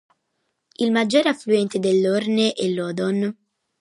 Il maggiore affluente dell'Orne è l'Odon.